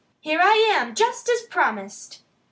"Here I am, just as I promised!"